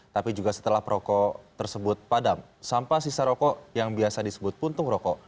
tapi juga setelah perokok tersebut padam sampah sisa rokok yang biasa disebut puntung rokok